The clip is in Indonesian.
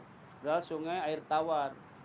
padahal sungai air tawar